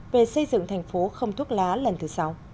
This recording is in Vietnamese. về xây dựng thành phố không thuốc lá lần thứ sáu